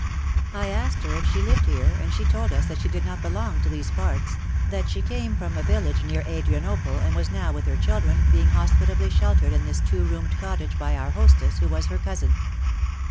I asked her if she lived here, and she then told us that she did not belong to these 6 82 War and women parts, that she came from a village near Adrianople, and was now, with her children, being hospitably sheltered in this two roomed cottage by our hostess, who was her cousin.